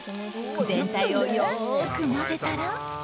全体をよく混ぜたら。